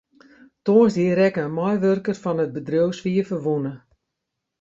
Tongersdei rekke in meiwurker fan it bedriuw swierferwûne.